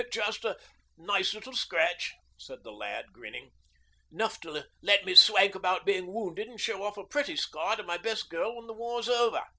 'Just a nice little scratch,' said the lad, grinning. 'Enough to let me swank about being wounded and show off a pretty scar to my best girl when the war's over.'